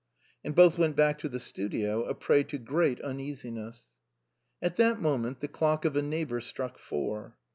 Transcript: " And both went back to the studio, a prey to great un easiness. At that moment the clock of a neighbor struck four.